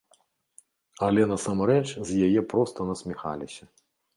Але насамрэч з яе проста насміхаліся.